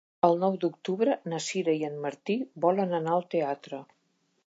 El nou d'octubre na Sira i en Martí volen anar al teatre.